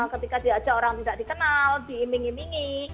ketika diajak orang tidak dikenal diiming imingi